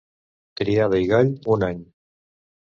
Criada i gall, un any.